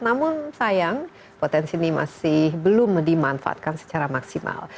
namun sayang potensi ini masih belum dimanfaatkan secara maksimal